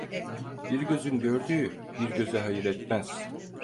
Bir gözün gördüğü bir göze hayır etmez.